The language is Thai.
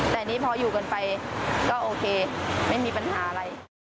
แต่นี่พออยู่กันไปก็โอเคไม่มีปัญหาอะไร